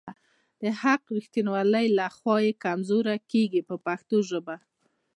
د حق او ریښتیولۍ خوا یې کمزورې کیږي په پښتو ژبه.